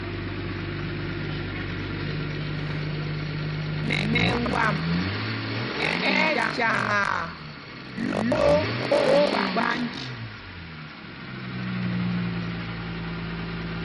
Mɛwam ɛ́ ɛ́ cyaŋaa lō ogbanj.